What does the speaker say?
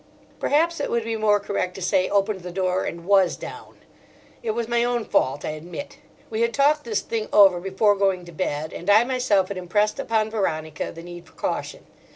Perhaps it would be more correct to say "opened the door and was down." It was my own fault, I admit. We had talked this thing over before going to bed, and I myself had impressed upon Veronica the need for caution.